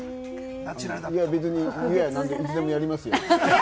別に、いつでもやりますよ。